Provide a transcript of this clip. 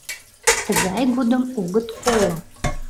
— Тыгай годым огыт коло...